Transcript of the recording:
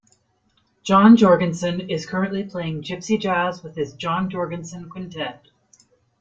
John Jorgenson is currently playing gypsy jazz with his John Jorgenson Quintette.